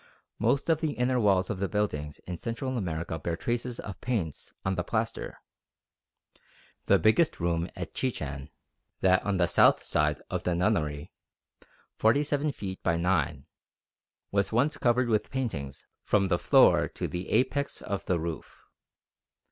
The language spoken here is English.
Most of the inner walls of the buildings in Central America bear traces of paints on the plaster. The biggest room at Chichen, that on the south side of the Nunnery, 47 feet by 9, was once covered with paintings from the floor to the apex of the roof.